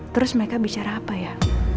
terus mereka bicara apa ya